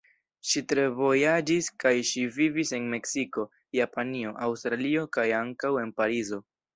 Ŝi tre vojaĝis kaj ŝi vivis en Meksiko, Japanio, Aŭstralio kaj ankaŭ en Parizo.